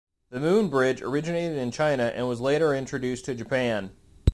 The moon bridge originated in China and was later introduced to Japan.